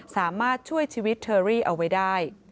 สามารถช่วยชีวิตเทอรี่เอาไว้ได้